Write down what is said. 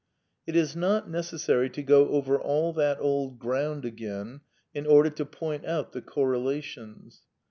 It is not necessary to go over all that old ground again in order to point out the correlations.